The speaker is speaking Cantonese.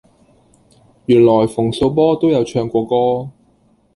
原來馮素波都有唱過歌